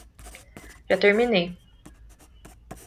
Já terminei